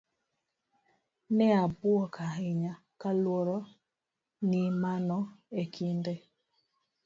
Ne abuok ahinya kaluore ni mano e kinde